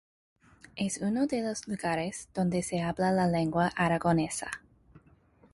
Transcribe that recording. Es uno de los lugares donde se habla la lengua aragonesa.